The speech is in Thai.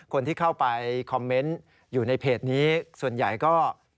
คนที่เข้าไปคอมเมนต์อยู่ในเพจนี้ส่วนใหญ่ก็